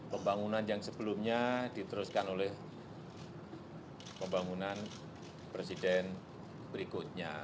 pembangunan yang sebelumnya diteruskan oleh pembangunan presiden berikutnya